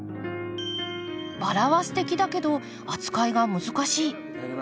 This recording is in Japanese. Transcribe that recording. バラはすてきだけど扱いが難しい。